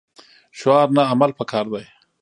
شعار نه عمل پکار دی